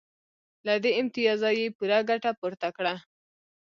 له دې امتیازه یې پوره ګټه پورته کړه